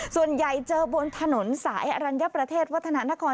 ส่วนใหญ่เจอบนถนนสายอรัญญประเทศวัฒนานคร